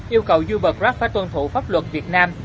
yêu cầu uber grab phải tuân thủ pháp luật việt nam